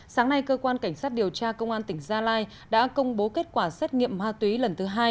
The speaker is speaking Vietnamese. sáng nay cơ quan cảnh sát điều tra công an tỉnh gia lai đã công bố kết quả xét nghiệm ma túy lần thứ hai